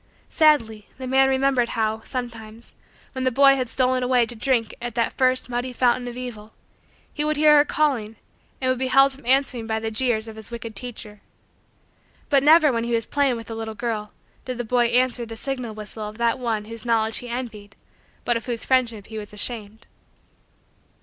Sadly, the man remembered how, sometimes, when the boy had stolen away to drink at that first muddy fountain of evil, he would hear her calling and would be held from answering by the jeers of his wicked teacher. But never when he was playing with the little girl did the boy answer the signal whistle of that one whose knowledge he envied but of whose friendship he was ashamed.